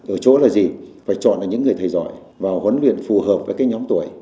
ở chỗ là gì phải chọn được những người thầy giỏi và huấn luyện phù hợp với cái nhóm tuổi